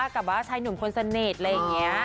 กับว่าชายหนุ่มคนสนิทอะไรอย่างนี้